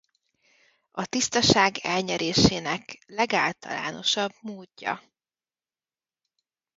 A tisztaság elnyerésének legáltalánosabb módja.